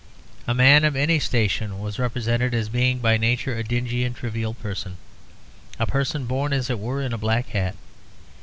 A man of any station was represented as being by nature a dingy and trivial person a person born, as it were, in a black hat.